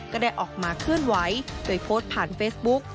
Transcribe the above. ก็ได้ออกมาเคลื่อนไหวโดยโพสต์ผ่านเฟซบุ๊ก